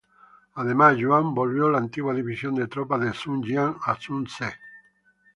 Además Yuan volvió la antigua división de tropas de Sun Jian a Sun Ce.